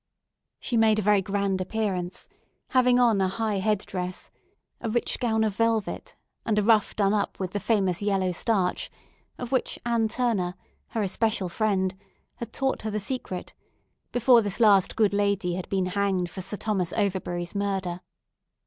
She made a very grand appearance, having on a high head dress, a rich gown of velvet, and a ruff done up with the famous yellow starch, of which Anne Turner, her especial friend, had taught her the secret, before this last good lady had been hanged for Sir Thomas Overbury's murder.